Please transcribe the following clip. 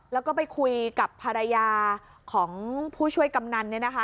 แล้วก็ไปคุยกับภรรยาของผู้ช่วยกำนัน